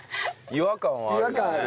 違和感はあるよね。